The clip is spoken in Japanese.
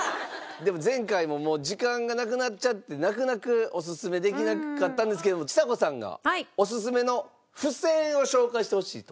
でも前回も時間がなくなっちゃってなくなくオススメできなかったんですけどもちさ子さんがオススメの付箋を紹介してほしいと。